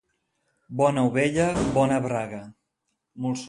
Bona ovella, bona braga.